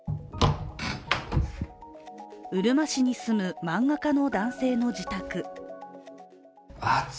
うるま市に住む漫画家の男性の自宅。